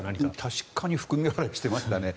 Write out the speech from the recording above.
確かに含み笑いをしていましたね。